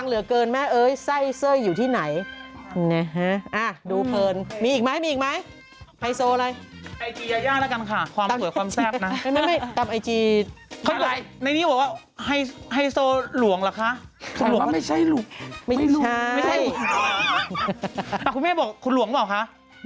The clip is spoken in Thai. ในนี้บอกว่าไฮโซหลวงหรือคะ